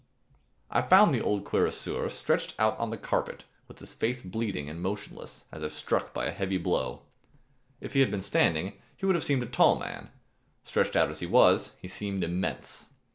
I found the old cuirassier stretched out on the carpet with his face bleeding and motionless as if struck by a heavy blow. If he had been standing, he would have seemed a tall man. Stretched out as he was, he seemed immense.